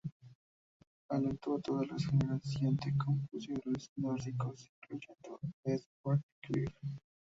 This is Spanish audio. Alentó a toda una generación de compositores nórdicos, incluyendo a Edvard Grieg.